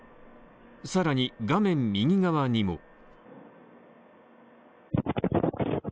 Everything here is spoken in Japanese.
更に、画面右側にも。